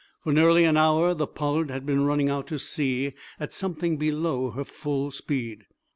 For nearly an hour the "Pollard" had been running out to sea at something below her full speed.